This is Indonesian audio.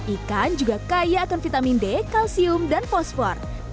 ikan juga kaya akan vitamin d kalsium dan fosfor